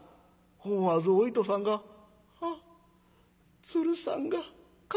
思わずお糸さんが『あっ鶴さんが帰ってきてくれた』。